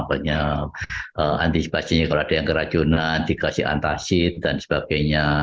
antisipasinya kalau ada yang keracunan dikasih antasid dan sebagainya